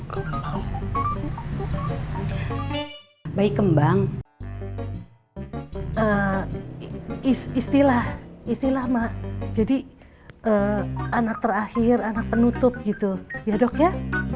bayi kembang istilah istilah mak jadi anak terakhir anak penutup gitu ya dok ya